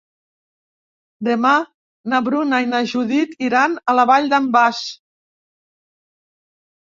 Demà na Bruna i na Judit iran a la Vall d'en Bas.